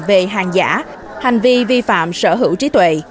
về hàng giả hành vi vi phạm sở hữu trí tuệ